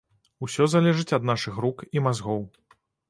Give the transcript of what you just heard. Усё залежыць ад нашых рук і мазгоў.